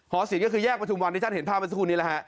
ศิลปก็คือแยกประทุมวันที่ท่านเห็นภาพเมื่อสักครู่นี้แหละฮะ